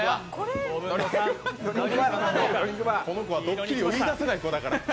この子はドッキリを言いだせない子だから。